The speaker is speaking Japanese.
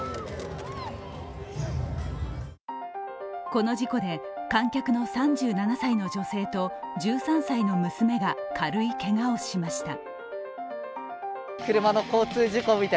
この事故で観客の３７歳の女性と１３歳の娘が軽いけがをしました。